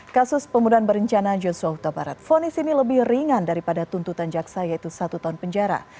kasus pembunuhan berencana joshua huta barat fonis ini lebih ringan daripada tuntutan jaksa yaitu satu tahun penjara